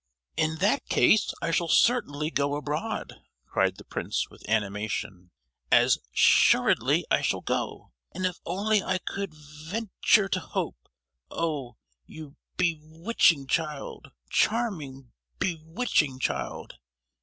"In that case, I shall certainly go abroad," cried the prince with animation. "As—suredly I shall go! And if only I could ve—venture to hope—oh! you be—witching child, charming, be—witching child!"